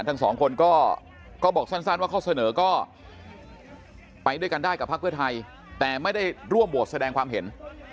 ทั้งสองคนก็บอกสั้นว่าข้อเสนอก็ไปด้วยกันได้กับพักเพื่อไทยแต่ไม่ได้ร่วมโหวตแสดงความเห็น